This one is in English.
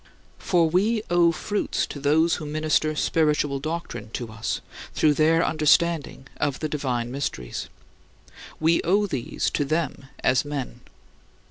" For we owe "fruits" to those who minister spiritual doctrine to us through their understanding of the divine mysteries. We owe these to them as men.